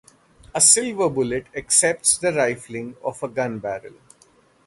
A silver bullet accepts the rifling of a gun barrel.